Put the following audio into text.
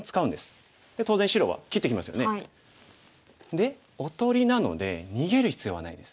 でおとりなので逃げる必要はないです。